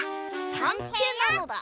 たんていなのだ。